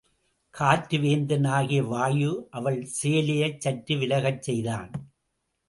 காற்று வேந்தன் ஆகிய வாயு அவள் சேலையைச் சற்று விலகச் செய்தான்.